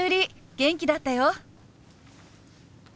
元気だったよ。